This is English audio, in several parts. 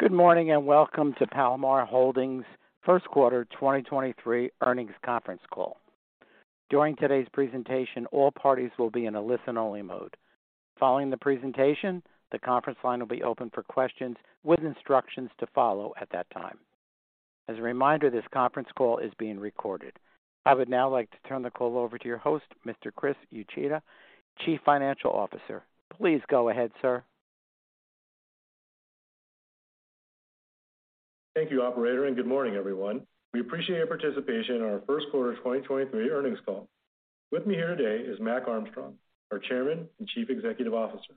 Good morning, welcome to Palomar Holdings' first quarter 2023 earnings conference call. During today's presentation, all parties will be in a listen-only mode. Following the presentation, the conference line will be open for questions with instructions to follow at that time. As a reminder, this conference call is being recorded. I would now like to turn the call over to your host, Mr. Chris Uchida, Chief Financial Officer. Please go ahead, sir. Thank you operator. Good morning, everyone. We appreciate your participation in our first quarter 2023 earnings call. With me here today is Mac Armstrong, our Chairman and Chief Executive Officer.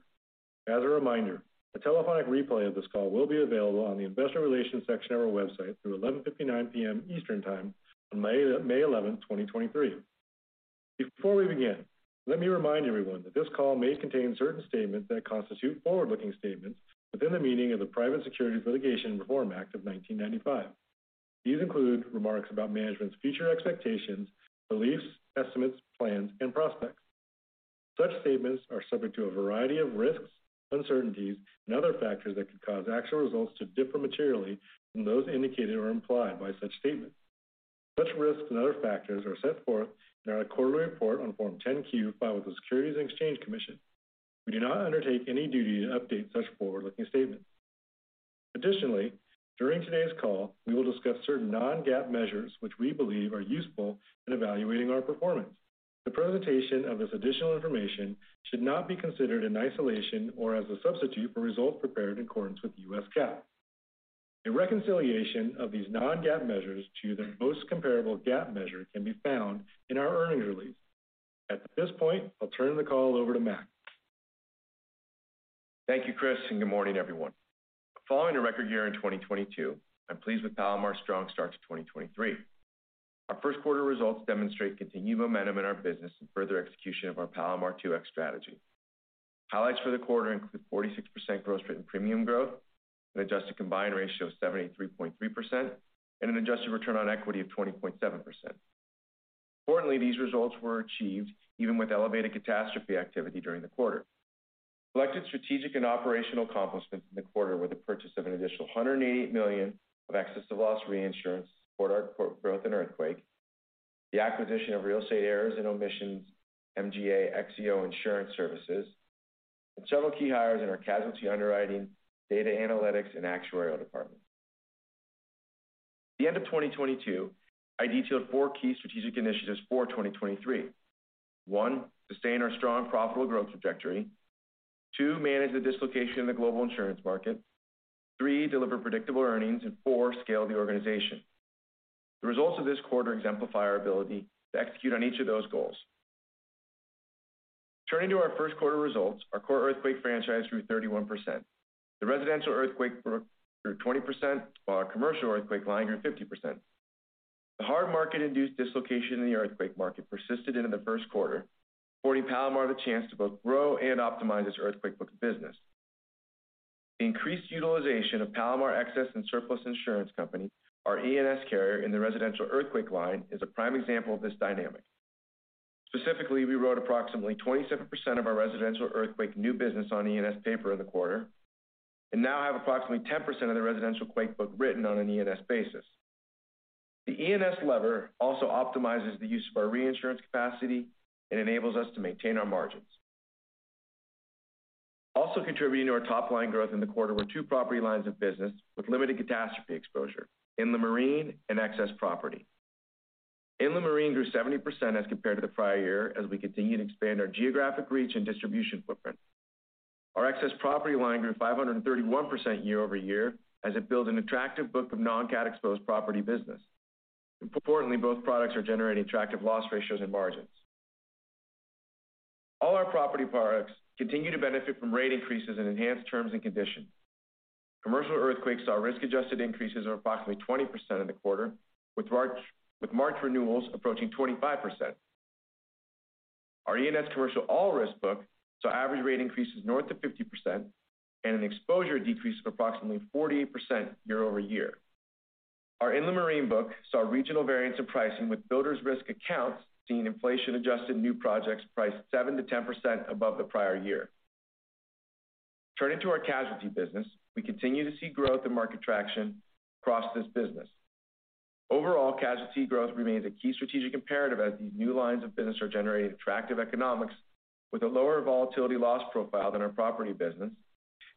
As a reminder, a telephonic replay of this call will be available on the investor relations section of our website through 11:59 P.M. Eastern Time on May 11th, 2023. Before we begin, let me remind everyone that this call may contain certain statements that constitute forward-looking statements within the meaning of the Private Securities Litigation Reform Act of 1995. These include remarks about management's future expectations, beliefs, estimates, plans, and prospects. Such statements are subject to a variety of risks, uncertainties, and other factors that could cause actual results to differ materially from those indicated or implied by such statements. Such risks and other factors are set forth in our quarterly report on Form 10-Q filed with the Securities and Exchange Commission. We do not undertake any duty to update such forward-looking statements. During today's call, we will discuss certain non-GAAP measures which we believe are useful in evaluating our performance. The presentation of this additional information should not be considered in isolation or as a substitute for results prepared in accordance with U.S. GAAP. A reconciliation of these non-GAAP measures to their most comparable GAAP measure can be found in our earnings release. At this point, I'll turn the call over to Mac. Thank you, Chris. Good morning, everyone. Following a record year in 2022, I'm pleased with Palomar's strong start to 2023. Our first quarter results demonstrate continued momentum in our business and further execution of our Palomar 2X strategy. Highlights for the quarter include 46% gross written premium growth, an adjusted combined ratio of 73.3%, and an adjusted return on equity of 20.7%. Importantly, these results were achieved even with elevated catastrophe activity during the quarter. Selected strategic and operational accomplishments in the quarter were the purchase of an additional $188 million of excess of loss reinsurance to support our growth in earthquake, the acquisition of real estate errors and omissions, MGA XEO Insurance Services, and several key hires in our casualty underwriting, data analytics, and actuarial department. At the end of 2022, I detailed four key strategic initiatives for 2023. One, sustain our strong profitable growth trajectory. Two, manage the dislocation in the global insurance market. Three, deliver predictable earnings. Four, scale the organization. The results of this quarter exemplify our ability to execute on each of those goals. Turning to our first quarter results, our core earthquake franchise grew 31%. The residential earthquake book grew 20%, while our commercial earthquake line grew 50%. The hard market-induced dislocation in the earthquake market persisted into the first quarter, affording Palomar the chance to both grow and optimize its earthquake book business. The increased utilization of Palomar Excess and Surplus Insurance Company, our E&S carrier in the residential earthquake line, is a prime example of this dynamic. Specifically, we wrote approximately 27% of our residential earthquake new business on E&S paper in the quarter and now have approximately 10% of the residential quake book written on an E&S basis. The E&S lever also optimizes the use of our reinsurance capacity and enables us to maintain our margins. Also contributing to our top-line growth in the quarter were two property lines of business with limited catastrophe exposure: inland marine and excess property. Inland marine grew 70% as compared to the prior year as we continue to expand our geographic reach and distribution footprint. Our excess property line grew 531% year-over-year as it builds an attractive book of non-cat exposed property business. Importantly, both products are generating attractive loss ratios and margins. All our property products continue to benefit from rate increases and enhanced terms and conditions. Commercial earthquakes saw risk-adjusted increases of approximately 20% in the quarter, with March renewals approaching 25%. Our E&S commercial all risk book saw average rate increases north of 50% and an exposure decrease of approximately 48% year-over-year. Our inland marine book saw regional variance in pricing, with builders risk accounts seeing inflation-adjusted new projects priced 7%-10% above the prior year. Turning to our casualty business, we continue to see growth and market traction across this business. Overall, casualty growth remains a key strategic imperative as these new lines of business are generating attractive economics with a lower volatility loss profile than our property business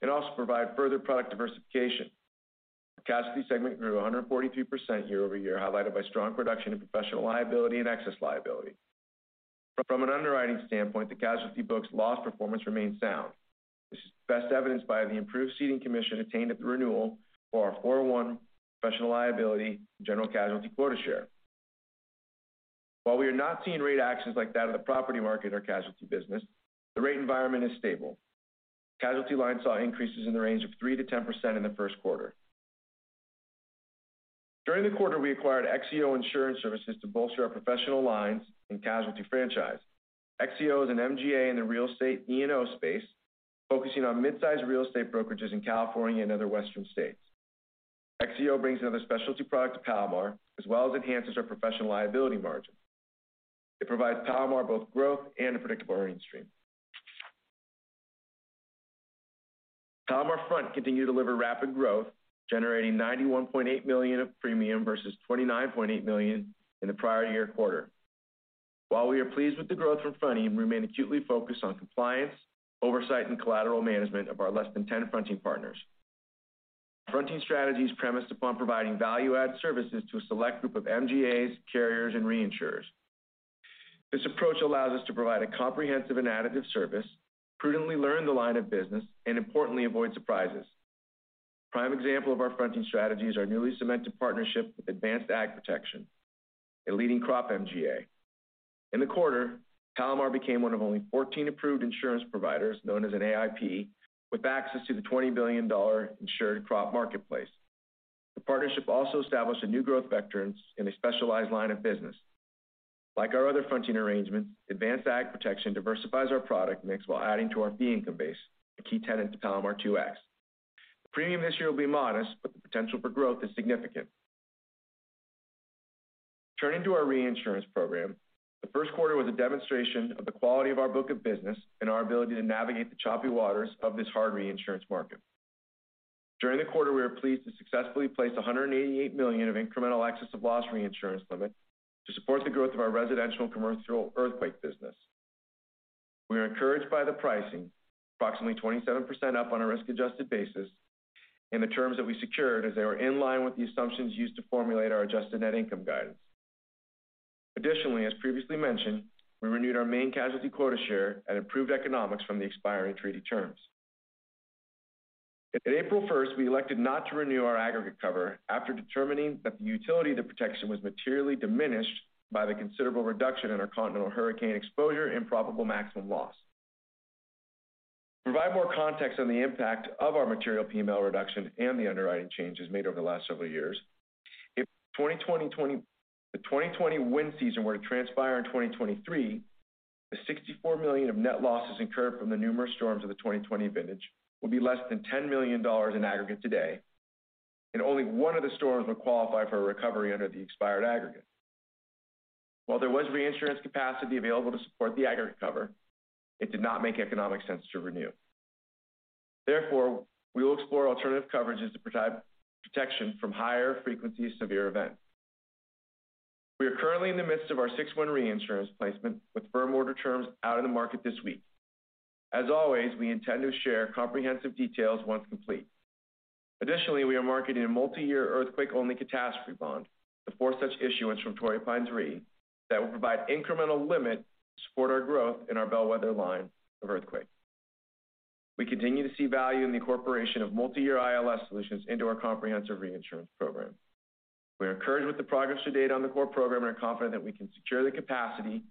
and also provide further product diversification. The casualty segment grew 143% year-over-year, highlighted by strong production in professional liability and excess liability. From an underwriting standpoint, the casualty book's loss performance remains sound. This is best evidenced by the improved seating commission attained at the renewal for our 41 professional liability general casualty quota share. We are not seeing rate actions like that of the property market or casualty business, the rate environment is stable. Casualty lines saw increases in the range of 3%-10% in the first quarter. During the quarter, we acquired XEO Insurance Services to bolster our professional lines and casualty franchise. XEO is an MGA in the real estate E&O space, focusing on mid-sized real estate brokerages in California and other Western states. XEO brings another specialty product to Palomar, as well as enhances our professional liability margin. It provides Palomar both growth and a predictable earning stream. Palomar Front continued to deliver rapid growth, generating $91.8 million of premium versus $29.8 million in the prior year quarter. We are pleased with the growth from fronting, we remain acutely focused on compliance, oversight, and collateral management of our less than 10 fronting partners. Fronting strategy is premised upon providing value-add services to a select group of MGAs, carriers, and reinsurers. This approach allows us to provide a comprehensive and additive service, prudently learn the line of business, and importantly, avoid surprises. Prime example of our fronting strategy is our newly cemented partnership with Advanced AgProtection, a leading crop MGA. In the quarter, Palomar became one of only 14 approved insurance providers, known as an AIP, with access to the $20 billion insured crop marketplace. The partnership also established a new growth veterans in a specialized line of business. Like our other fronting arrangements, Advanced AgProtection diversifies our product mix while adding to our fee income base, a key tenant to Palomar 2X. The premium this year will be modest, but the potential for growth is significant. Turning to our reinsurance program, the first quarter was a demonstration of the quality of our book of business and our ability to navigate the choppy waters of this hard reinsurance market. During the quarter, we are pleased to successfully place $188 million of incremental excess of loss reinsurance limit to support the growth of our residential commercial earthquake business. We are encouraged by the pricing, approximately 27% up on a risk-adjusted basis, and the terms that we secured as they were in line with the assumptions used to formulate our adjusted net income guidance. Additionally, as previously mentioned, we renewed our main casualty quota share at improved economics from the expiring treaty terms. In April 1st, we elected not to renew our aggregate cover after determining that the utility of the protection was materially diminished by the considerable reduction in our continental hurricane exposure and probable maximum loss. To provide more context on the impact of our material PML reduction and the underwriting changes made over the last several years. If the 2020 wind season were to transpire in 2023, the $64 million of net losses incurred from the numerous storms of the 2020 vintage will be less than $10 million in aggregate today, and only 1 of the storms would qualify for a recovery under the expired aggregate. While there was reinsurance capacity available to support the aggregate cover, it did not make economic sense to renew. We will explore alternative coverages to provide protection from higher frequency severe events. We are currently in the midst of our 6/1 reinsurance placement with firm order terms out of the market this week. As always, we intend to share comprehensive details once complete. We are marketing a multi-year earthquake-only catastrophe bond. The fourth such issuance from Torrey Pines Re that will provide incremental limit to support our growth in our bellwether line of earthquake. We continue to see value in the incorporation of multi-year ILS solutions into our comprehensive reinsurance program. We are encouraged with the progress to date on the core program and are confident that we can secure the capacity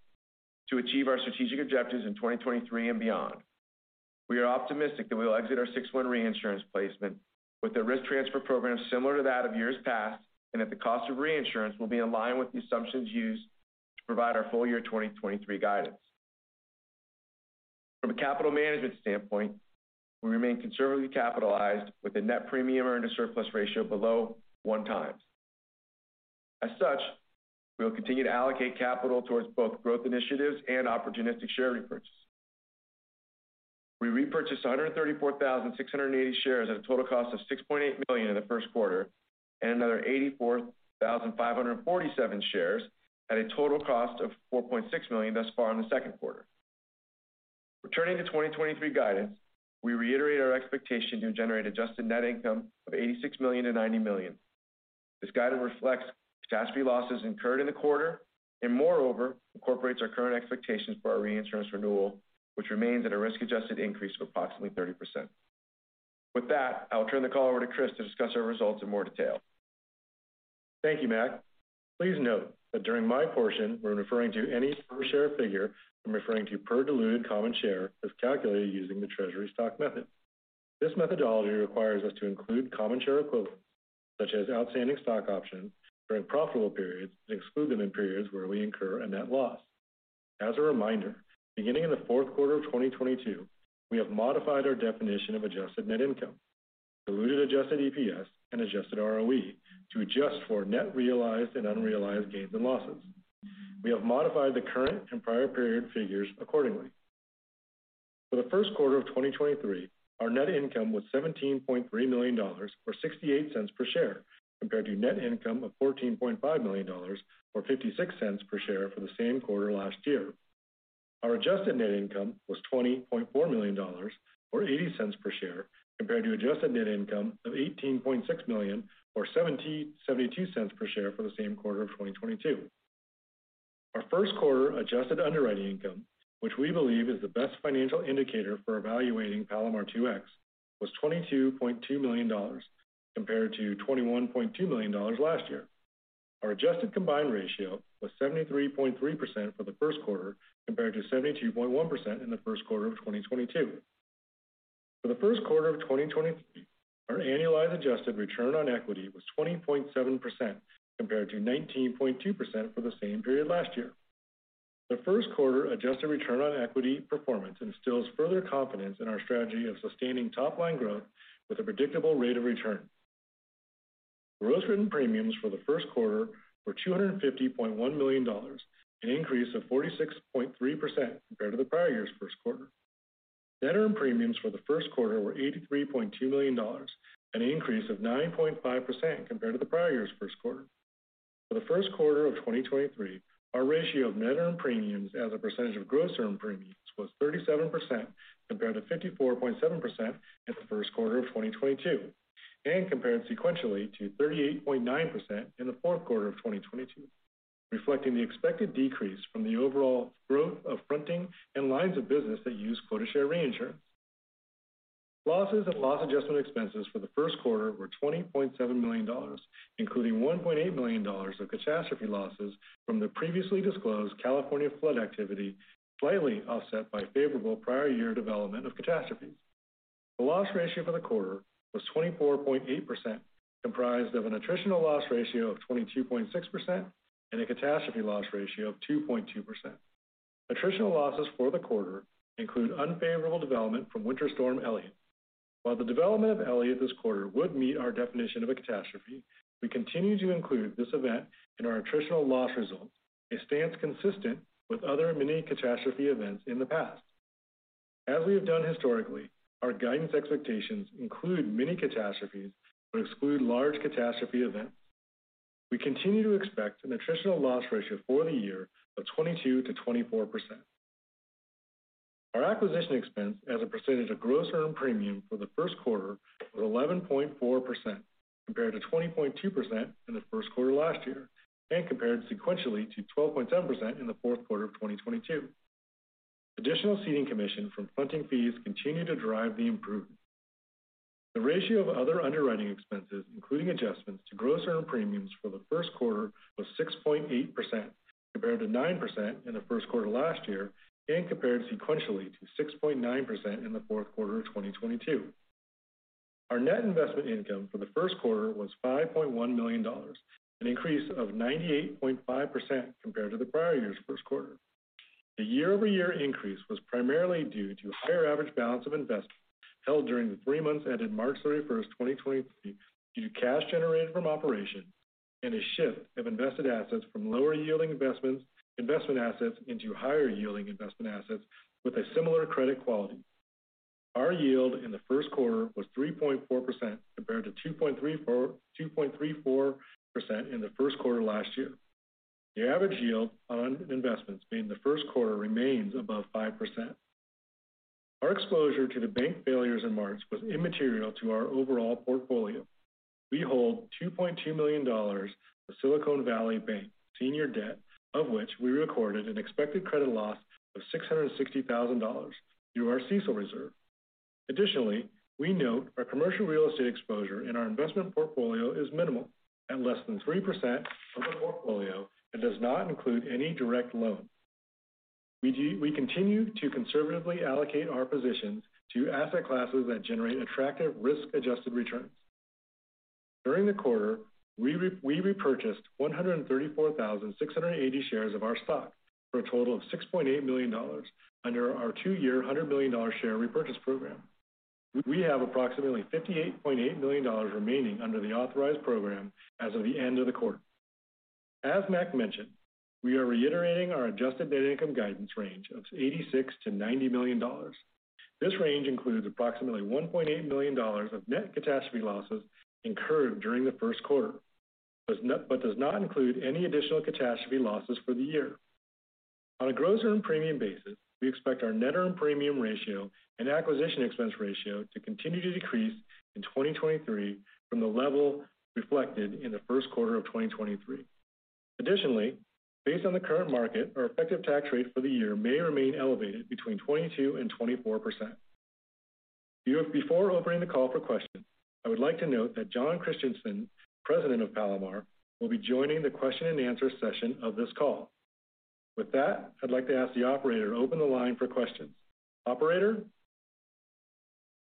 to achieve our strategic objectives in 2023 and beyond. We are optimistic that we will exit our 6/1 reinsurance placement with the risk transfer program similar to that of years past, and that the cost of reinsurance will be in line with the assumptions used to provide our full year 2023 guidance. From a capital management standpoint, we remain conservatively capitalized with a net premium earned a surplus ratio below 1 times. As such, we will continue to allocate capital towards both growth initiatives and opportunistic share repurchases. We repurchased 134,680 shares at a total cost of $6.8 million in the first quarter, and another 84,547 shares at a total cost of $4.6 million thus far in the second quarter. Returning to 2023 guidance, we reiterate our expectation to generate adjusted net income of $86 million-$90 million. This guidance reflects catastrophe losses incurred in the quarter and moreover, incorporates our current expectations for our reinsurance renewal, which remains at a risk-adjusted increase of approximately 30%. With that, I will turn the call over to Chris to discuss our results in more detail. Thank you, Mac. Please note that during my portion, when referring to any per share figure, I'm referring to per diluted common share as calculated using the treasury stock method. This methodology requires us to include common share equivalents, such as outstanding stock options during profitable periods and exclude them in periods where we incur a net loss. As a reminder, beginning in the fourth quarter of 2022, we have modified our definition of adjusted net income, diluted adjusted EPS, and adjusted ROE to adjust for net realized and unrealized gains and losses. We have modified the current and prior period figures accordingly. For the first quarter of 2023, our net income was $17.3 million or $0.68 per share, compared to net income of $14.5 million or $0.56 per share for the same quarter last year. Our adjusted net income was $20.4 million or $0.80 per share, compared to adjusted net income of $18.6 million or $0.72 per share for the same quarter of 2022. Our first quarter adjusted underwriting income, which we believe is the best financial indicator for evaluating Palomar 2X, was $22.2 million compared to $21.2 million last year. Our adjusted combined ratio was 73.3% for the first quarter, compared to 72.1% in the first quarter of 2022. For the first quarter of 2023, our annualized adjusted return on equity was 20.7% compared to 19.2% for the same period last year. The first quarter adjusted return on equity performance instills further confidence in our strategy of sustaining top-line growth with a predictable rate of return. Gross written premiums for the first quarter were $250.1 million, an increase of 46.3% compared to the prior year's first quarter. Net earned premiums for the first quarter were $83.2 million, an increase of 9.5% compared to the prior year's first quarter. For the first quarter of 2023, our ratio of net earned premiums as a percentage of gross earned premiums was 37% compared to 54.7% in the first quarter of 2022, and compared sequentially to 38.9% in the fourth quarter of 2022, reflecting the expected decrease from the overall growth of fronting and lines of business that use quota share reinsurance. Losses and loss adjustment expenses for the first quarter were $20.7 million, including $1.8 million of catastrophe losses from the previously disclosed California flood activity, slightly offset by favorable prior year development of catastrophes. The loss ratio for the quarter was 24.8%, comprised of an attritional loss ratio of 22.6% and a catastrophe loss ratio of 2.2%. Attritional losses for the quarter include unfavorable development from Winter Storm Elliott. While the development of Elliott this quarter would meet our definition of a catastrophe, we continue to include this event in our attritional loss results, a stance consistent with other mini-catastrophe events in the past. As we have done historically, our guidance expectations include mini-catastrophes but exclude large catastrophe events. We continue to expect an attritional loss ratio for the year of 22%-24%. Our acquisition expense as a percentage of gross earned premium for the first quarter was 11.4% compared to 20.2% in the first quarter last year and compared sequentially to 12.7% in the fourth quarter of 2022. Additional ceding commission from fronting fees continue to drive the improvement. The ratio of other underwriting expenses, including adjustments to gross earned premiums for the first quarter, was 6.8% compared to 9% in the first quarter last year and compared sequentially to 6.9% in the fourth quarter of 2022. Our net investment income for the first quarter was $5.1 million, an increase of 98.5% compared to the prior year's first quarter. The year-over-year increase was primarily due to higher average balance of investments held during the 3 months ended March 31, 2023 due to cash generated from operations and a shift of invested assets from lower yielding investments, investment assets into higher yielding investment assets with a similar credit quality. Our yield in the first quarter was 3.4% compared to 2.34% in the first quarter last year. The average yield on investments made in the first quarter remains above 5%. Our exposure to the bank failures in March was immaterial to our overall portfolio. We hold $2.2 million of Silicon Valley Bank senior debt, of which we recorded an expected credit loss of $660,000 through our CECL reserve. Additionally, we note our commercial real estate exposure in our investment portfolio is minimal at less than 3% of the portfolio and does not include any direct loans. We continue to conservatively allocate our positions to asset classes that generate attractive risk-adjusted returns. During the quarter, we repurchased 134,680 shares of our stock for a total of $6.8 million under our 2-year $100 million share repurchase program. We have approximately $58.8 million remaining under the authorized program as of the end of the quarter. As Mac mentioned, we are reiterating our adjusted net income guidance range of $86 million-$90 million. This range includes approximately $1.8 million of net catastrophe losses incurred during the first quarter. Does not include any additional catastrophe losses for the year. On a gross earned premium basis, we expect our net earned premium ratio and acquisition expense ratio to continue to decrease in 2023 from the level reflected in the first quarter of 2023. Based on the current market, our effective tax rate for the year may remain elevated between 22% and 24%. Before opening the call for questions, I would like to note that Jon Christianson, President of Palomar, will be joining the question and answer session of this call. With that, I'd like to ask the operator to open the line for questions. Operator?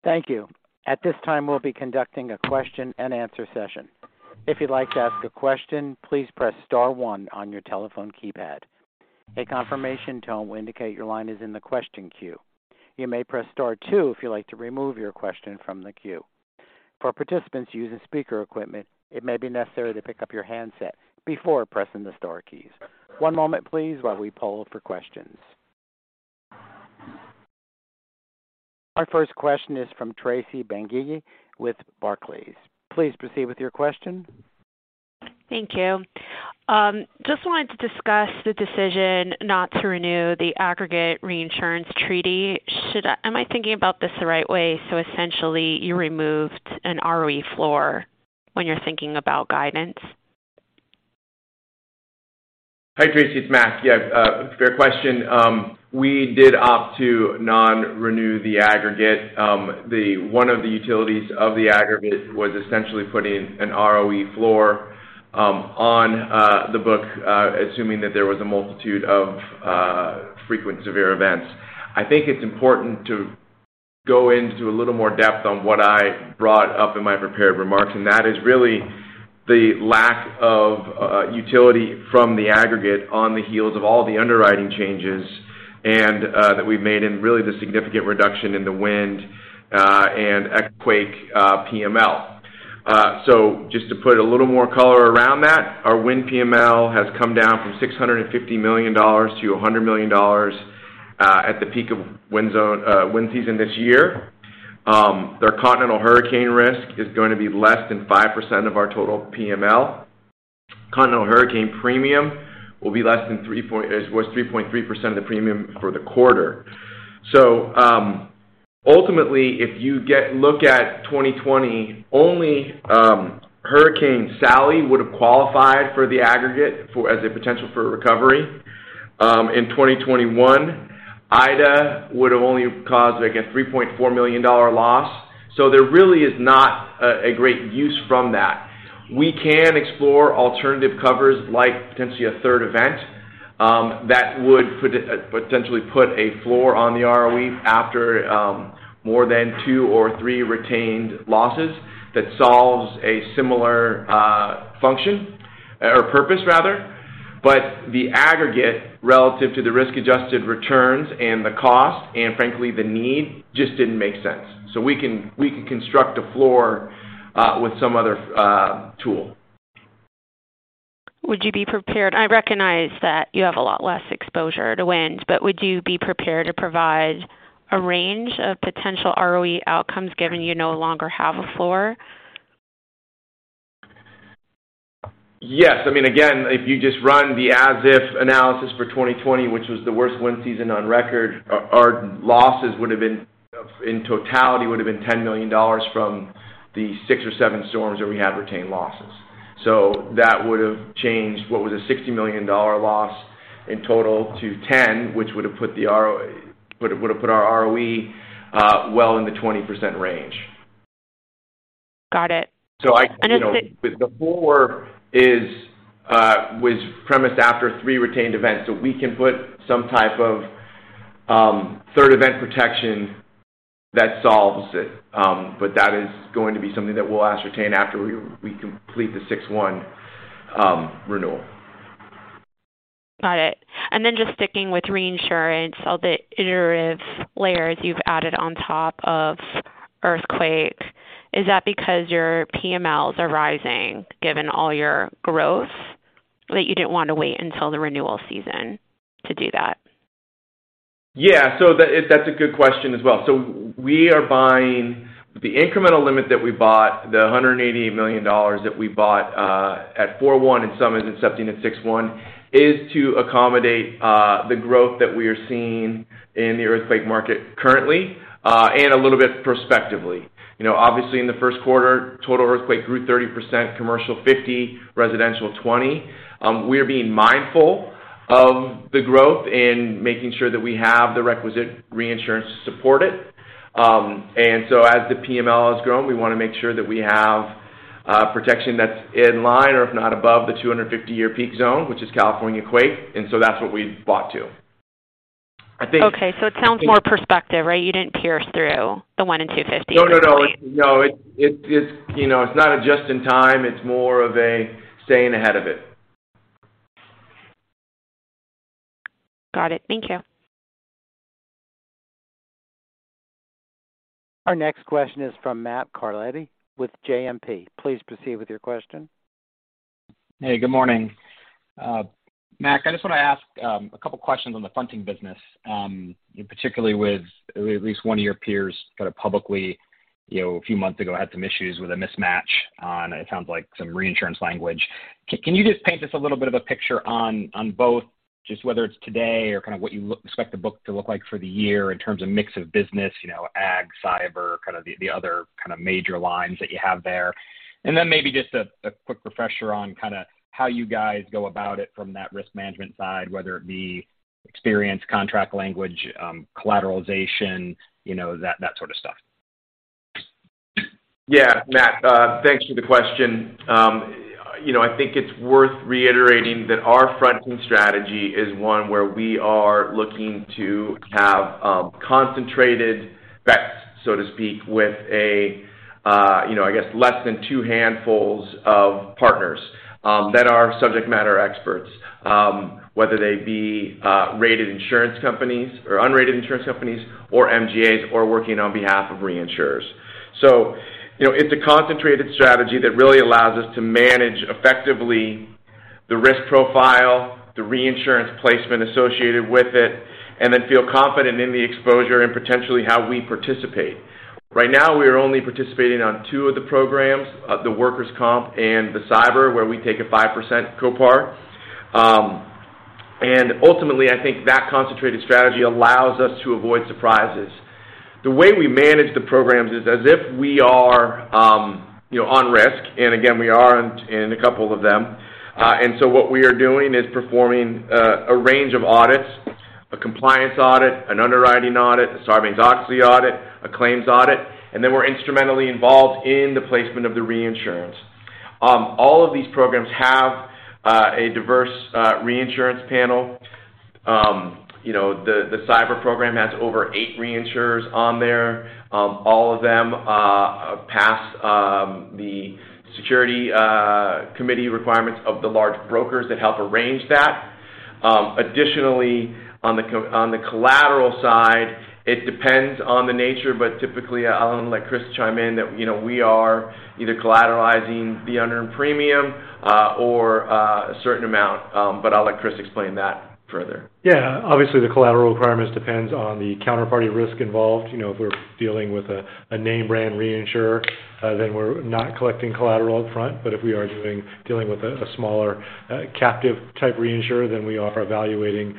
Thank you. At this time, we'll be conducting a question and answer session. If you'd like to ask a question, please press star one on your telephone keypad. A confirmation tone will indicate your line is in the question queue. You may press star two if you'd like to remove your question from the queue. For participants using speaker equipment, it may be necessary to pick up your handset before pressing the star keys. One moment please while we poll for questions. Our first question is from Tracy Benguigui with Barclays. Please proceed with your question. Thank you. Just wanted to discuss the decision not to renew the aggregate reinsurance treaty. Am I thinking about this the right way? Essentially you removed an ROE floor when you're thinking about guidance. Hi, Tracy, it's Mac. Yeah, great question. We did opt to non-renew the aggregate. The, one of the utilities of the aggregate was essentially putting an ROE floor on the book, assuming that there was a multitude of frequent severe events. I think it's important to go into a little more depth on what I brought up in my prepared remarks, and that is really the lack of utility from the aggregate on the heels of all the underwriting changes, and that we've made in really the significant reduction in the wind and earthquake PML. So just to put a little more color around that, our wind PML has come down from $650 million to $100 million at the peak of wind zone, wind season this year. Their continental hurricane risk is going to be less than 5% of our total PML. Continental hurricane premium will be less than 3.3% of the premium for the quarter. Ultimately, if you look at 2020, only Hurricane Sally would have qualified for the aggregate for as a potential for recovery. In 2021, Ida would have only caused, like, a $3.4 million loss. There really is not a great use from that. We can explore alternative covers like potentially a third event that would potentially put a floor on the ROE after more than two or three retained losses that solves a similar function, or purpose rather. The aggregate relative to the risk-adjusted returns and the cost and frankly the need just didn't make sense. We can construct a floor with some other tool. Would you be prepared, I recognize that you have a lot less exposure to wind, but would you be prepared to provide a range of potential ROE outcomes given you no longer have a floor? Yes. I mean, again, if you just run the as-if analysis for 2020, which was the worst wind season on record, our losses would have been, in totality, would have been $10 million from the 6 or 7 storms that we had retained losses. That would have changed what was a $60 million loss in total to 10, which would have put the ROE, would've put our ROE, well in the 20% range. Got it. So I- I know. The floor is was premised after 3 retained events. We can put some type of 3rd event protection that solves it. That is going to be something that we'll ascertain after we complete the 6/1 renewal. Got it. Just sticking with reinsurance, all the iterative layers you've added on top of earthquakes, is that because your PMLs are rising, given all your growth, that you didn't want to wait until the renewal season to do that? That's a good question as well. The incremental limit that we bought, the $188 million that we bought, at 4/1 and some is accepting at 6/1, is to accommodate the growth that we are seeing in the earthquake market currently and a little bit perspectively. You know, obviously in the first quarter, total earthquake grew 30%, commercial 50%, residential 20%. We're being mindful of the growth and making sure that we have the requisite reinsurance to support it. As the PML has grown, we wanna make sure that we have protection that's in line or if not above the 250-year peak zone, which is California quake. That's what we bought to. Okay. It sounds more perspective, right? You didn't pierce through the $1 and $250- No, no. No, it's, you know, it's not a just in time. It's more of a staying ahead of it. Got it. Thank you. Our next question is from Matt Carletti with JMP. Please proceed with your question. Hey, good morning. Matt, I just want to ask a couple of questions on the fronting business, particularly with at least one of your peers kind of publicly, you know, a few months ago, had some issues with a mismatch on, it sounds like some reinsurance language. Can you just paint us a little bit of a picture on both just whether it's today or kind of what you expect the book to look like for the year in terms of mix of business, you know, ag, cyber, kind of the other kind of major lines that you have there? Maybe just a quick refresher on kind of how you guys go about it from that risk management side, whether it be experience, contract language, collateralization, you know, that sort of stuff. Yeah, Matt, thanks for the question. You know, I think it's worth reiterating that our fronting strategy is one where we are looking to have concentrated bets, so to speak, with a, you know, I guess less than two handfuls of partners that are subject matter experts, whether they be rated insurance companies or unrated insurance companies or MGAs or working on behalf of reinsurers. You know, it's a concentrated strategy that really allows us to manage effectively the risk profile, the reinsurance placement associated with it, and then feel confident in the exposure and potentially how we participate. Right now, we are only participating on two of the programs, the workers' comp and the cyber, where we take a 5% copar. Ultimately, I think that concentrated strategy allows us to avoid surprises. The way we manage the programs is as if we are, you know, on risk, and again, we are in a couple of them. What we are doing is performing a range of audits, a compliance audit, an underwriting audit, a Sarbanes-Oxley audit, a claims audit, and then we're instrumentally involved in the placement of the reinsurance. All of these programs have a diverse reinsurance panel. You know, the cyber program has over 8 reinsurers on there. All of them pass the security committee requirements of the large brokers that help arrange that. Additionally, on the collateral side, it depends on the nature, but typically, I'll let Chris chime in that, you know, we are either collateralizing the unearned premium, or a certain amount. I'll let Chris explain that further. Yeah. Obviously, the collateral requirements depends on the counterparty risk involved. You know, if we're dealing with a name brand reinsurer, then we're not collecting collateral upfront. If we are dealing with a smaller captive type reinsurer, then we are evaluating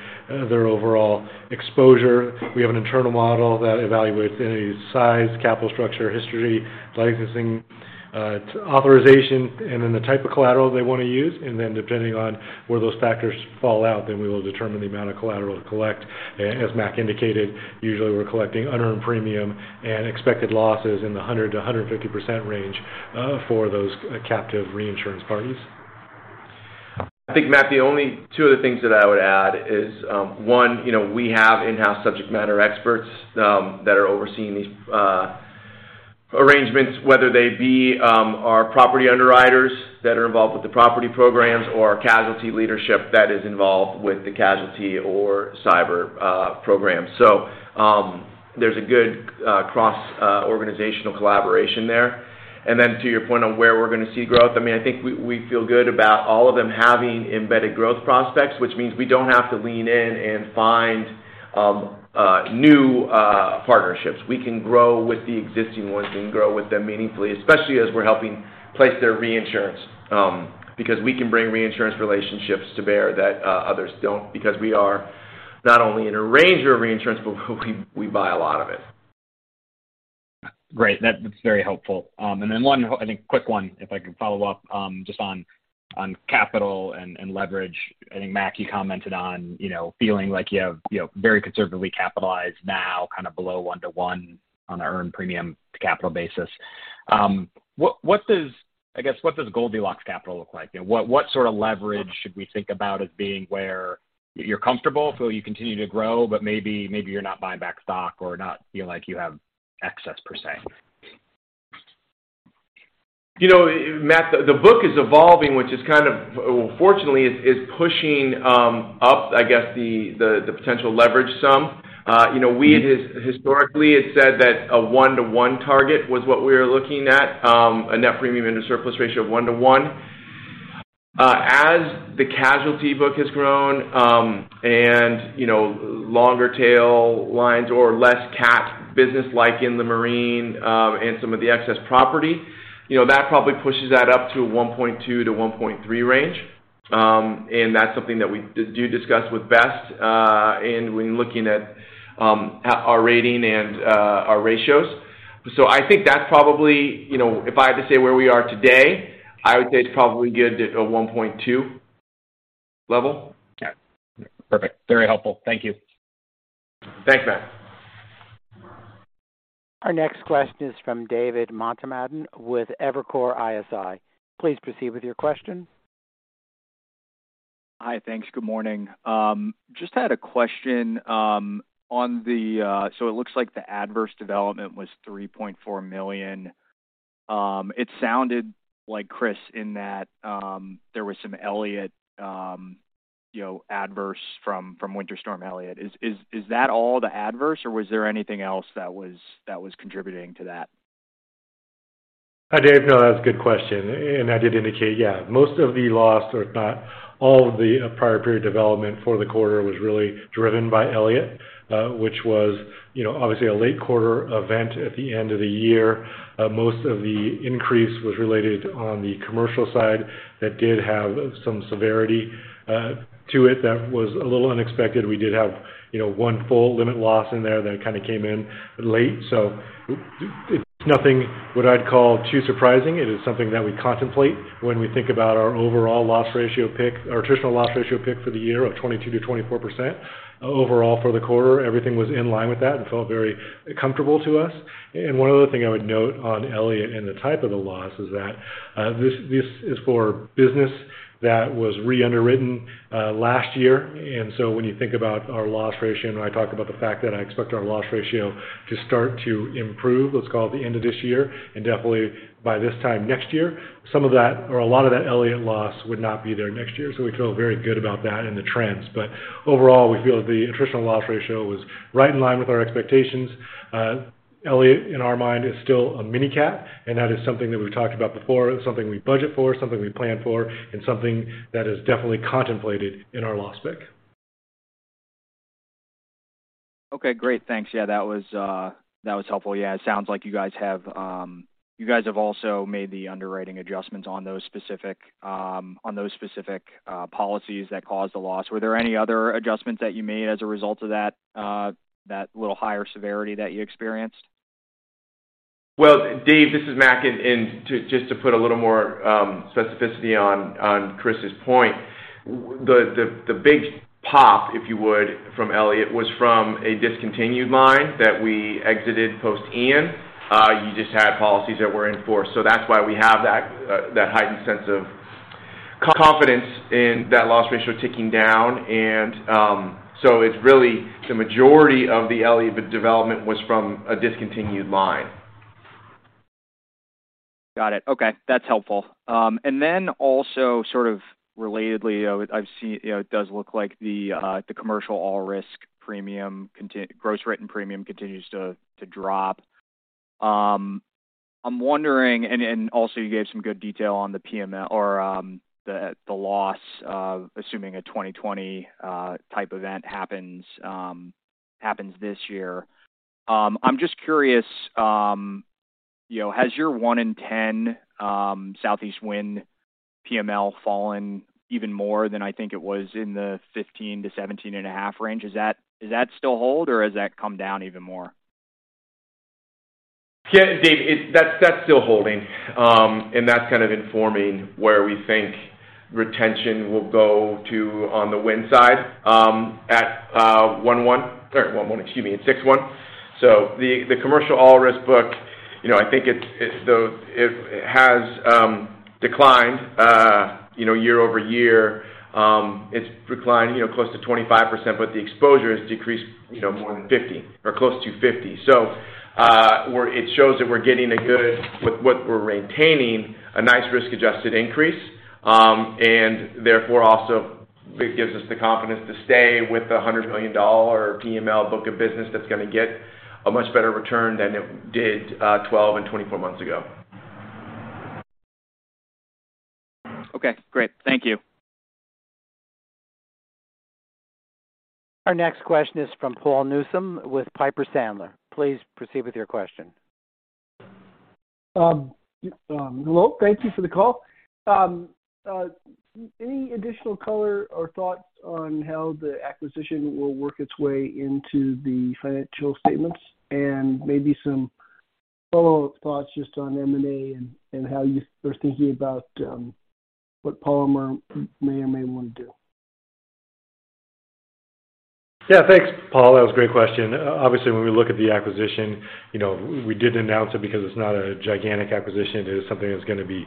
their overall exposure. We have an internal model that evaluates any size, capital structure, history, licensing, its authorization, and then the type of collateral they want to use. And then depending on where those factors fall out, then we will determine the amount of collateral to collect. As Mac indicated, usually we're collecting unearned premium and expected losses in the 100%-150% range for those captive reinsurance parties. I think, Matt, the only two other things that I would add is, one, you know, we have in-house subject matter experts that are overseeing these arrangements, whether they be our property underwriters that are involved with the property programs or our casualty leadership that is involved with the casualty or cyber program. There's a good cross organizational collaboration there. Then to your point on where we're going to see growth, I mean, I think we feel good about all of them having embedded growth prospects, which means we don't have to lean in and find new partnerships. We can grow with the existing ones. We can grow with them meaningfully, especially as we're helping place their reinsurance, because we can bring reinsurance relationships to bear that others don't because we are not only an arranger of reinsurance, but we buy a lot of it. Great. That's very helpful. One, I think quick one, if I can follow up, just on capital and leverage. I think, Mac Armstrong, you commented on, you know, feeling like you have, you know, very conservatively capitalized now, kind of below 1 to 1 on earned premium to capital basis. What does Goldilocks Capital look like? You know, what sort of leverage should we think about as being where you're comfortable, so you continue to grow, but maybe you're not buying back stock or not feel like you have excess per se? You know, Matt, the book is evolving, which is kind of fortunately, is pushing up, I guess the potential leverage some. You know, we had historically had said that a 1-to-1 target was what we're looking at, a net premium into surplus ratio of 1 to 1. As the casualty book has grown, and you know, longer tail lines or less cat business like in the marine, and some of the excess property, you know, that probably pushes that up to a 1.2 to 1.3 range. And that's something that we do discuss with Best, and when looking at our rating and our ratios. I think that's probably, you know, if I had to say where we are today, I would say it's probably good at a 1.2 level. Got it. Perfect. Very helpful. Thank you. Thanks, Matt. Our next question is from David Motemaden with Evercore ISI. Please proceed with your question. Hi. Thanks. Good morning. Just had a question on the. It looks like the adverse development was $3.4 million. It sounded like Chris in that there was some Elliott, you know, adverse from Winter Storm Elliott. Is that all the adverse or was there anything else that was contributing to that? Hi, Dave. That's a good question. I did indicate, yeah, most of the loss or if not all of the prior period development for the quarter was really driven by Winter Storm Elliott, which was, you know, obviously a late quarter event at the end of the year. Most of the increase was related on the commercial side that did have some severity to it that was a little unexpected. We did have, you know, one full limit loss in there that kind of came in late. It's nothing what I'd call too surprising. It is something that we contemplate when we think about our overall loss ratio pick or traditional loss ratio pick for the year of 22%-24%. Overall for the quarter, everything was in line with that and felt very comfortable to us. One other thing I would note on Winter Storm Elliott and the type of the loss is that this is for business that was re-underwritten last year. When you think about our loss ratio, when I talk about the fact that I expect our loss ratio to start to improve, let's call it the end of this year, and definitely by this time next year, some of that or a lot of that Winter Storm Elliott loss would not be there next year. We feel very good about that and the trends. Overall, we feel the attritional loss ratio was right in line with our expectations. Winter Storm Elliott, in our mind, is still a mini cat, and that is something that we've talked about before, something we budget for, something we plan for, and something that is definitely contemplated in our loss pick. Okay, great. Thanks. That was helpful. It sounds like you guys have also made the underwriting adjustments on those specific policies that caused the loss. Were there any other adjustments that you made as a result of that little higher severity that you experienced? Dave, this is Mac, and to just to put a little more specificity on Chris's point, the big pop, if you would, from Winter Storm Elliott was from a discontinued line that we exited post Hurricane Ian. You just had policies that were enforced. That's why we have that heightened sense of confidence in that loss ratio ticking down. It's really the majority of the LE development was from a discontinued line. Got it. Okay, that's helpful. Also sort of relatedly, I've seen, you know, it does look like the commercial all risk premium gross written premium continues to drop. I'm wondering and also you gave some good detail on the PML or the loss of assuming a 2020 type event happens this year. I'm just curious, you know, has your 1 in 10 southeast wind PML fallen even more than I think it was in the 15-17.5 range? Is that, does that still hold or has that come down even more? Yeah, Dave, that's still holding. That's kind of informing where we think retention will go to on the wind side at 1/1 or 6/1. The commercial all risk book, you know, I think it has declined, you know, year-over-year. It's declined, you know, close to 25%, but the exposure has decreased, you know, more than 50% or close to 50%. It shows that we're getting a good with what we're retaining, a nice risk-adjusted increase. Therefore, also it gives us the confidence to stay with the $100 million PML book of business that's gonna get a much better return than it did 12 and 24 months ago. Okay, great. Thank you. Our next question is from Paul Newsome with Piper Sandler. Please proceed with your question. Hello. Thank you for the call. Any additional color or thoughts on how the acquisition will work its way into the financial statements and maybe some follow-up thoughts just on M&A and how you are thinking about what Palomar may or may want to do? Yeah. Thanks, Paul. That was a great question. Obviously, when we look at the acquisition, you know, we did announce it because it's not a gigantic acquisition. It is something that's gonna be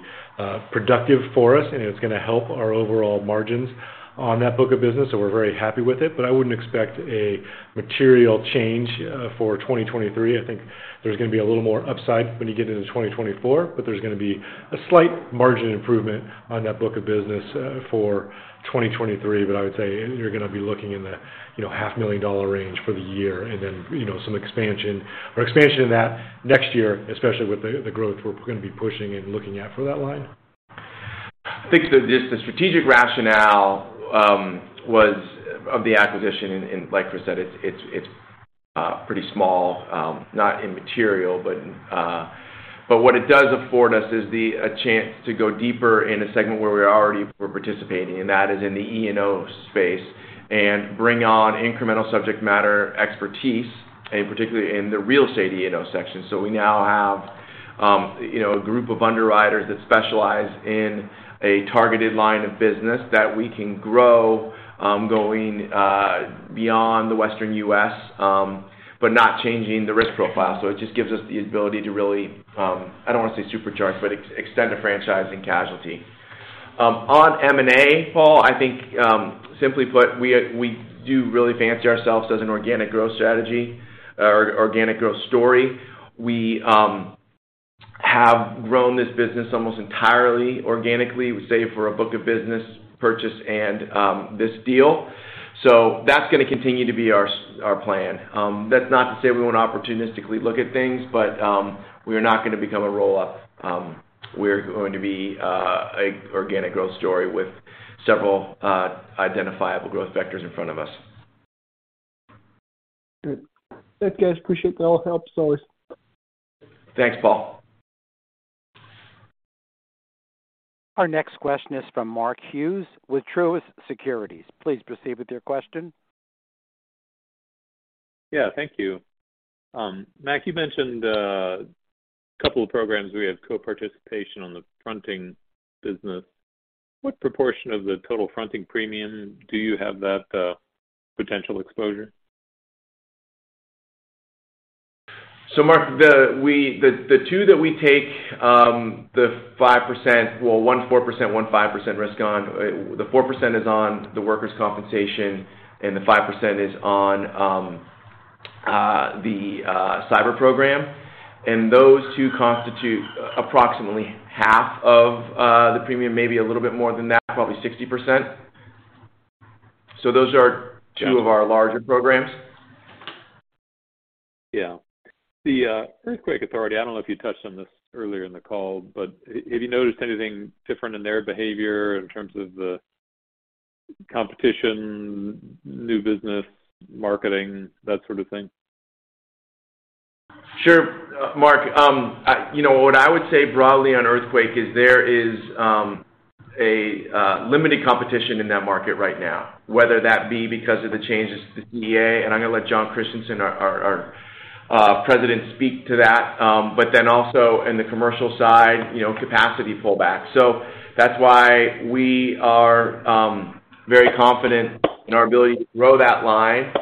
productive for us, and it's gonna help our overall margins on that book of business, so we're very happy with it. I wouldn't expect a material change for 2023. I think there's gonna be a little more upside when you get into 2024, but there's gonna be a slight margin improvement on that book of business for 2023. I would say you're gonna be looking in the, you know, half million dollar range for the year and then, you know, some expansion or expansion of that next year, especially with the growth we're gonna be pushing and looking at for that line. I think the strategic rationale was of the acquisition and like Chris said, it's, it's pretty small, not immaterial, but what it does afford us is a chance to go deeper in a segment where we already were participating, and that is in the E&O space, and bring on incremental subject matter expertise, and particularly in the real estate E&O section. We now have, you know, a group of underwriters that specialize in a targeted line of business that we can grow, going beyond the Western U.S., but not changing the risk profile. It just gives us the ability to really, I don't want to say supercharge, but extend the franchise and casualty. On M&A, Paul, I think, simply put, we do really fancy ourselves as an organic growth strategy or organic growth story. We have grown this business almost entirely organically, we say, for a book of business purchase and this deal. That's gonna continue to be our plan. That's not to say we won't opportunistically look at things, but we are not gonna become a roll-up. We're going to be, a organic growth story with several identifiable growth vectors in front of us. Good. Thanks, guys. Appreciate all the help. Sorry. Thanks, Paul. Our next question is from Mark Hughes with Truist Securities. Please proceed with your question. Thank you. Mark, you mentioned a couple of programs where you have co-participation on the fronting business. What proportion of the total fronting premium do you have that potential exposure? Mark, the two that we take, the 5%, well, one 4%, one 5% risk on. The 4% is on the workers' compensation, and the 5% is on the cyber program. Those two constitute approximately half of the premium, maybe a little bit more than that, probably 60%. Those are two of our larger programs. Yeah. The Earthquake Authority, I don't know if you touched on this earlier in the call, but have you noticed anything different in their behavior in terms of the competition, new business, marketing, that sort of thing? Sure. Mark, you know what I would say broadly on earthquake is there is a limited competition in that market right now, whether that be because of the changes to the CEA, and I'm going to let Jon Christianson, our President speak to that, but then also in the commercial side, you know, capacity pullback. That's why we Very confident in our ability to grow that line.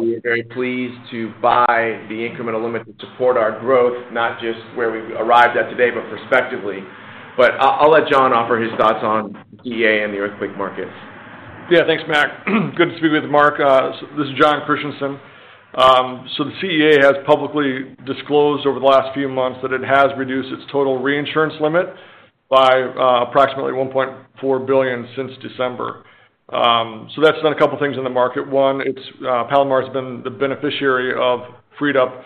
We are very pleased to buy the incremental limit to support our growth, not just where we've arrived at today, but prospectively. I'll let John offer his thoughts on CEA and the earthquake markets. Thanks, Mac. Good to be with Mark. This is Jon Christianson. The CEA has publicly disclosed over the last few months that it has reduced its total reinsurance limit by approximately $1.4 billion since December. That's done a couple things in the market. One, Palomar has been the beneficiary of freed up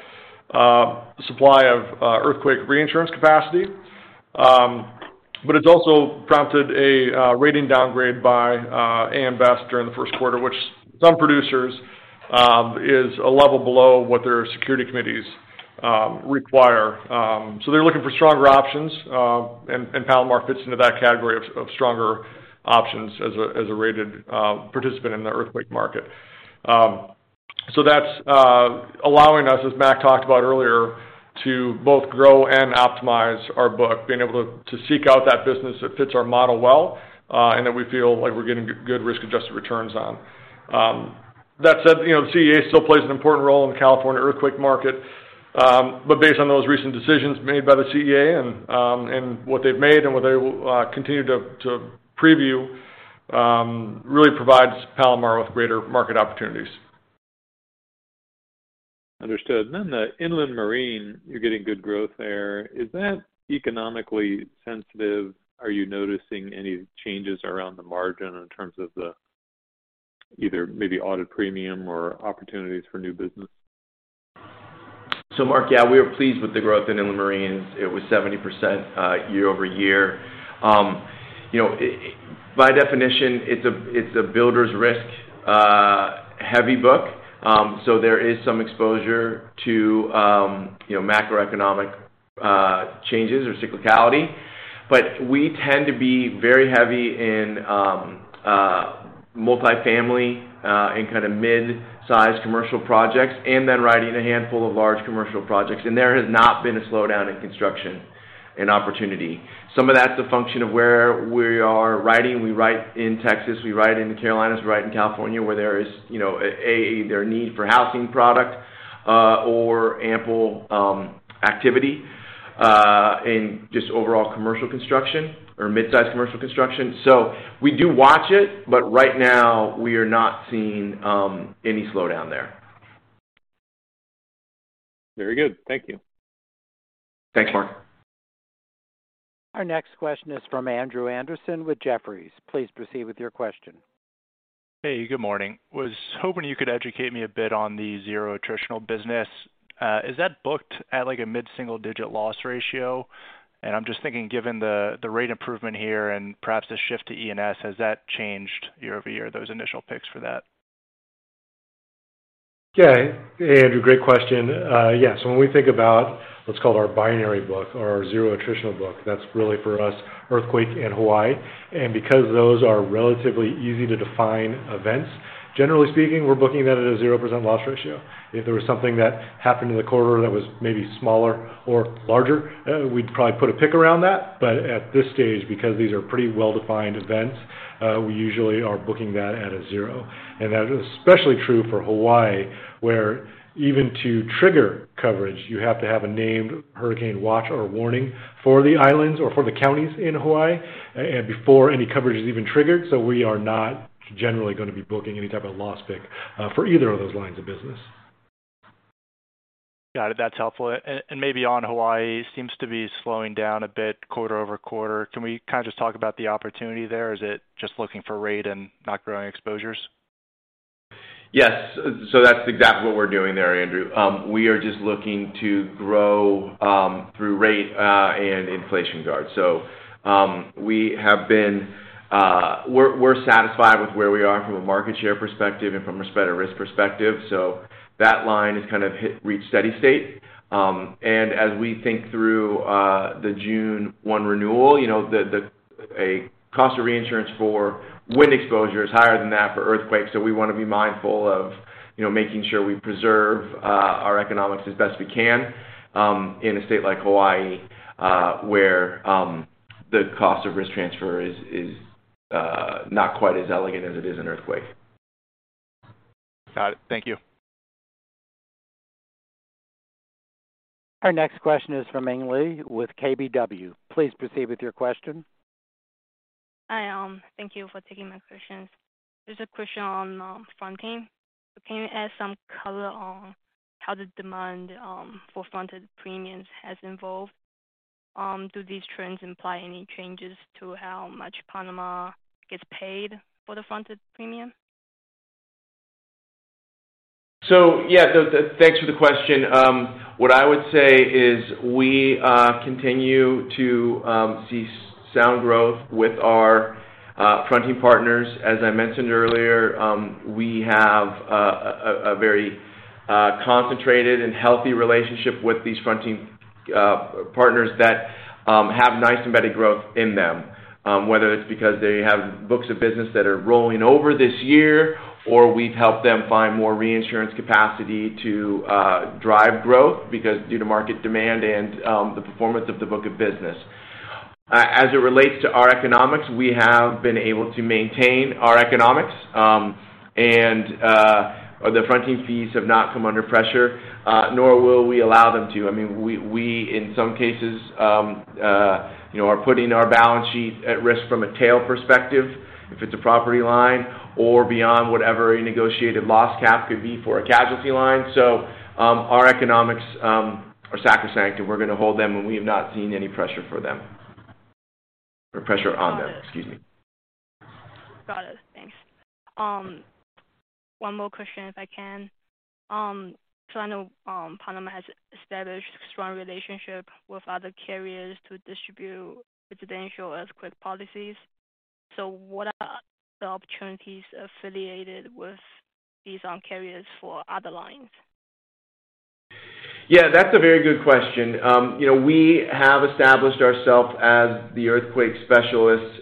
supply of earthquake reinsurance capacity. But it's also prompted a rating downgrade by AM Best during the first quarter, which some producers is a level below what their security committees require. So they're looking for stronger options, and Palomar fits into that category of stronger options as a rated participant in the earthquake market. That's allowing us, as Mac talked about earlier, to both grow and optimize our book, being able to seek out that business that fits our model well, and that we feel like we're getting good risk-adjusted returns on. That said, you know, CEA still plays an important role in the California earthquake market. Based on those recent decisions made by the CEA and what they've made and what they will continue to preview, really provides Palomar with greater market opportunities. Understood. The inland marine, you're getting good growth there. Is that economically sensitive? Are you noticing any changes around the margin in terms of the either maybe audit premium or opportunities for new business? Mark, yeah, we are pleased with the growth in inland marines. It was 70% year-over-year. You know, it by definition, it's a, it's a builder's risk heavy book. There is some exposure to, you know, macroeconomic changes or cyclicality. We tend to be very heavy in multifamily and kind of mid-sized commercial projects, and then writing a handful of large commercial projects. There has not been a slowdown in construction and opportunity. Some of that's a function of where we are writing. We write in Texas, we write in the Carolinas, we write in California, where there is, you know, a, their need for housing product or ample activity in just overall commercial construction or mid-sized commercial construction. We do watch it, but right now we are not seeing, any slowdown there. Very good. Thank you. Thanks, Mark. Our next question is from Andrew Andersen with Jefferies. Please proceed with your question. Hey, good morning. I was hoping you could educate me a bit on the zero attritional business. Is that booked at, like, a mid-single digit loss ratio? I'm just thinking, given the rate improvement here and perhaps the shift to E&S, has that changed year-over-year, those initial picks for that? Yeah. Hey, Andrew, great question. Yeah, when we think about what's called our binary book or our zero attritional book, that's really for us, earthquake in Hawaii. Because those are relatively easy to define events, generally speaking, we're booking that at a 0% loss ratio. If there was something that happened in the quarter that was maybe smaller or larger, we'd probably put a pick around that. At this stage, because these are pretty well-defined events, we usually are booking that at a zero. That is especially true for Hawaii, where even to trigger coverage, you have to have a named hurricane watch or warning for the islands or for the counties in Hawaii and before any coverage is even triggered. We are not generally gonna be booking any type of loss pick for either of those lines of business. Got it. That's helpful. Maybe on Hawaii, seems to be slowing down a bit quarter-over-quarter. Can we kind of just talk about the opportunity there? Is it just looking for rate and not growing exposures? Yes. That's exactly what we're doing there, Andrew Andersen. We are just looking to grow through rate and inflation guard. We have been, we're satisfied with where we are from a market share perspective and from a spend of risk perspective. That line has kind of reached steady state. As we think through the June 1 renewal, you know, a cost of reinsurance for wind exposure is higher than that for earthquakes. We wanna be mindful of, you know, making sure we preserve our economics as best we can in a state like Hawaii, where the cost of risk transfer is not quite as elegant as it is in earthquake. Got it. Thank you. Our next question is from Jing Li with KBW. Please proceed with your question. Hi, thank you for taking my questions. There's a question on fronting. Can you add some color on how the demand for fronted premiums has evolved? Do these trends imply any changes to how much Palomar gets paid for the fronted premium? Yeah, thanks for the question. What I would say is we continue to see sound growth with our fronting partners. As I mentioned earlier, we have a very concentrated and healthy relationship with these fronting partners that have nice embedded growth in them. Whether it's because they have books of business that are rolling over this year, or we've helped them find more reinsurance capacity to drive growth because due to market demand and the performance of the book of business. As it relates to our economics, we have been able to maintain our economics, and the fronting fees have not come under pressure, nor will we allow them to. I mean, we in some cases, you know, are putting our balance sheet at risk from a tail perspective if it's a property line or beyond whatever a negotiated loss cap could be for a casualty line. Our economics are sacrosanct, and we're going to hold them, and we have not seen any pressure for them. Or pressure on them, excuse me. Got it. Thanks. One more question, if I can. I know, Palomar has established strong relationship with other carriers to distribute residential earthquake policies. What are the opportunities affiliated with these, carriers for other lines? Yeah, that's a very good question. you know, we have established ourselves as the earthquake specialists,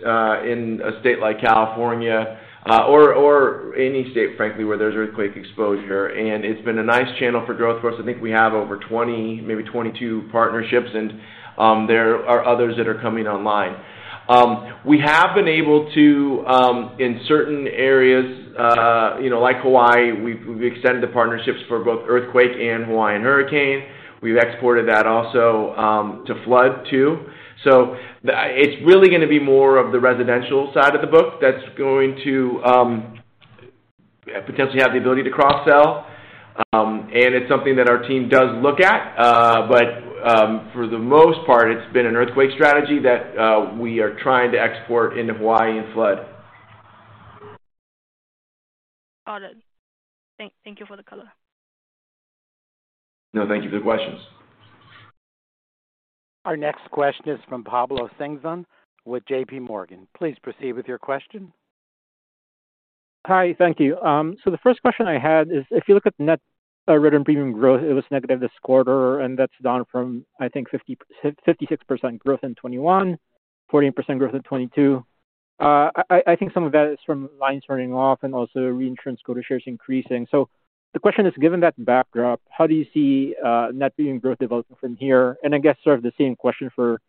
in a state like California, or any state, frankly, where there's earthquake exposure. It's been a nice channel for growth for us. I think we have over 20, maybe 22 partnerships, and there are others that are coming online. We have been able to, in certain areas, you know, like Hawaii, we've extended the partnerships for both earthquake and Hawaiian hurricane. We've exported that also to flood too. It's really going to be more of the residential side of the book that's going to potentially have the ability to cross-sell. It's something that our team does look at. For the most part, it's been an earthquake strategy that we are trying to export into Hawaii and flood. Got it. Thank you for the color. No, thank you for the questions. Our next question is from Pablo Singzon with J.P. Morgan. Please proceed with your question. Hi. Thank you. The first question I had is if you look at net written premium growth, it was negative this quarter, and that's down from, I think 56% growth in 2021, 14% growth in 2022. I think some of that is from lines running off and also reinsurance quota shares increasing. The question is, given that backdrop, how do you see net premium growth developing from here? I guess sort of the same question for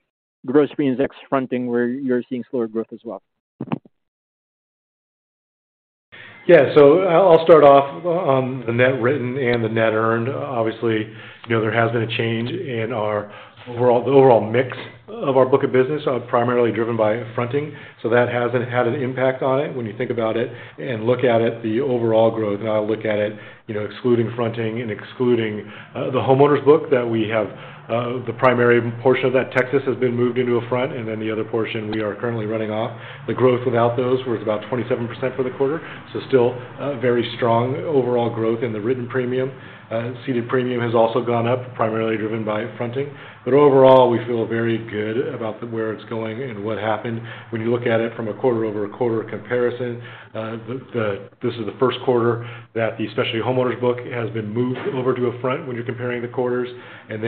gross premiums next fronting, where you're seeing slower growth as well. Yeah. I'll start off on the net written and the net earned. Obviously, you know, there has been a change in the overall mix of our book of business, primarily driven by fronting. That has had an impact on it when you think about it and look at it, the overall growth. I'll look at it, you know, excluding fronting and excluding the homeowners book that we have. The primary portion of that Texas has been moved into a front, the other portion we are currently running off. The growth without those was about 27% for the quarter. Still, very strong overall growth in the written premium. Ceded premium has also gone up, primarily driven by fronting. Overall, we feel very good about where it's going and what happened. When you look at it from a quarter-over-quarter comparison, this is the first quarter that the specialty homeowners book has been moved over to a front when you're comparing the quarters.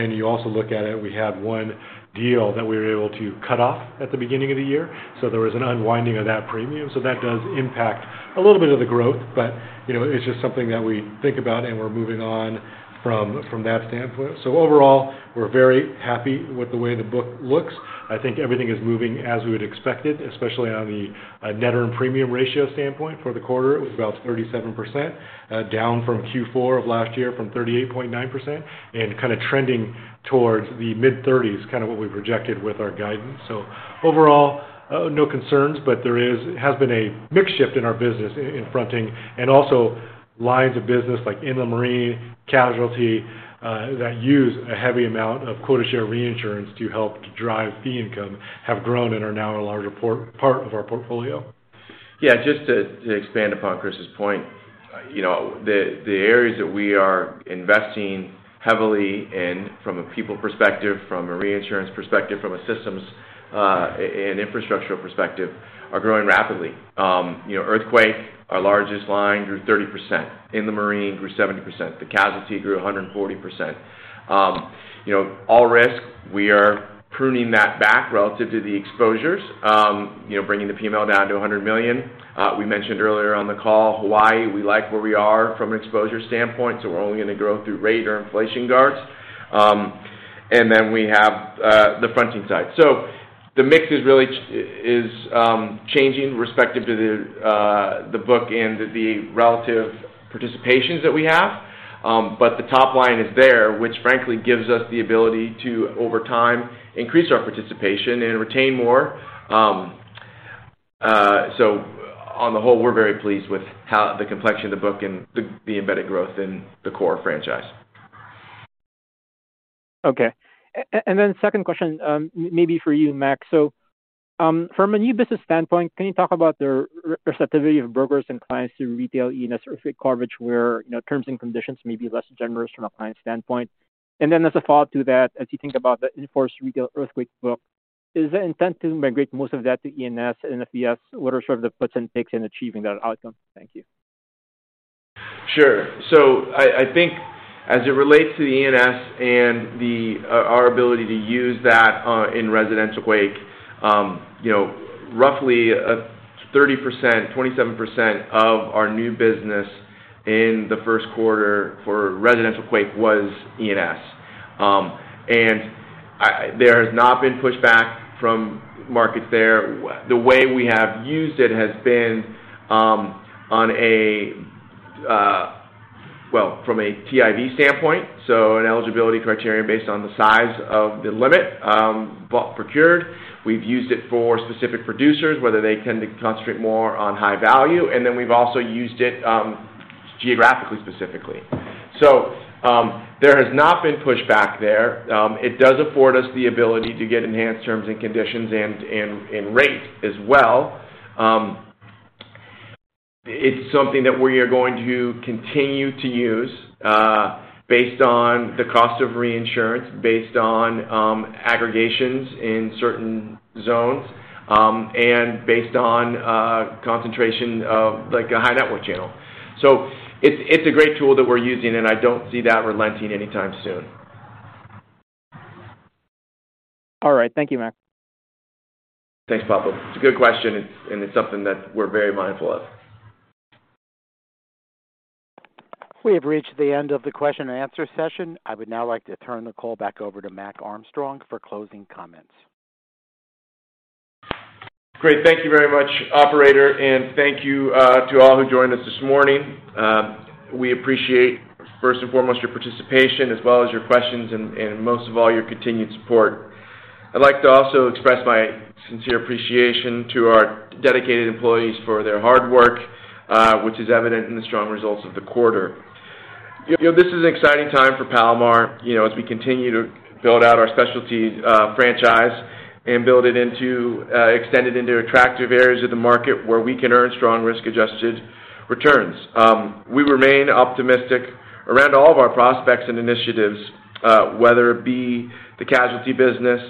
You also look at it, we had one deal that we were able to cut off at the beginning of the year, there was an unwinding of that premium. That does impact a little bit of the growth, but, you know, it's just something that we think about, and we're moving on from that standpoint. Overall, we're very happy with the way the book looks. I think everything is moving as we would expect it, especially on the net earned premium ratio standpoint. For the quarter, it was about 37%, down from Q4 of last year from 38.9% and kind of trending towards the mid-30s, kind of what we projected with our guidance. Overall, no concerns, but there has been a mix shift in our business in fronting and also lines of business like in the marine casualty, that use a heavy amount of quota share reinsurance to help to drive fee income have grown and are now a larger part of our portfolio. Just to expand upon Chris's point. You know, the areas that we are investing heavily in from a people perspective, from a reinsurance perspective, from a systems and infrastructural perspective, are growing rapidly. You know, earthquake, our largest line, grew 30%. In the marine grew 70%. The casualty grew 140%. You know, all risk, we are pruning that back relative to the exposures, you know, bringing the PM down to $100 million. We mentioned earlier on the call Hawaii, we like where we are from an exposure standpoint, so we're only going to grow through rate or inflation guards. Then we have the fronting side. So the mix is really changing respective to the book and the relative participations that we have. The top line is there, which frankly gives us the ability to, over time, increase our participation and retain more. On the whole, we're very pleased with how the complexion of the book and the embedded growth in the core franchise. Okay. Then second question, maybe for you, Mac, from a new business standpoint, can you talk about the receptivity of brokers and clients to retail E&S earthquake coverage where, you know, terms and conditions may be less generous from a client standpoint? As a follow-up to that, as you think about the in-force retail earthquake book, is the intent to migrate most of that to E&S and E&S? What are sort of the puts and takes in achieving that outcome? Thank you. I think as it relates to the E&S and our ability to use that in residential quake, you know, roughly 30%, 27% of our new business in the first quarter for residential quake was E&S. There has not been pushback from markets there. The way we have used it has been on a. Well, from a TIV standpoint, so an eligibility criteria based on the size of the limit bought, procured. We've used it for specific producers, whether they tend to concentrate more on high value, and then we've also used it geographically specifically. There has not been pushback there. It does afford us the ability to get enhanced terms and conditions and rate as well. It's something that we are going to continue to use, based on the cost of reinsurance, based on aggregations in certain zones, and based on concentration of like a high net worth channel. It's, it's a great tool that we're using, and I don't see that relenting anytime soon. All right. Thank you, Mac. Thanks, Pablo. It's a good question, and it's something that we're very mindful of. We have reached the end of the question and answer session. I would now like to turn the call back over to Mac Armstrong for closing comments. Great. Thank you very much, operator, and thank you to all who joined us this morning. We appreciate, first and foremost, your participation as well as your questions and most of all, your continued support. I'd like to also express my sincere appreciation to our dedicated employees for their hard work, which is evident in the strong results of the quarter. You know, this is an exciting time for Palomar, you know, as we continue to build out our specialty franchise and build it into, extend it into attractive areas of the market where we can earn strong risk-adjusted returns. We remain optimistic around all of our prospects and initiatives, whether it be the casualty business,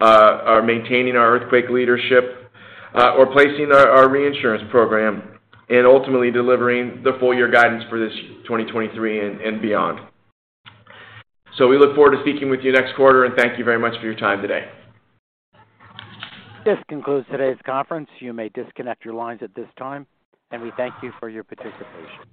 our maintaining our earthquake leadership, or placing our reinsurance program and ultimately delivering the full year guidance for this 2023 and beyond. We look forward to speaking with you next quarter, and thank you very much for your time today. This concludes today's conference. You may disconnect your lines at this time, and we thank you for your participation